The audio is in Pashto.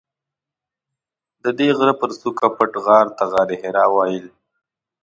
ددې غره پر څوکه پټ غار ته غارحرا ویل.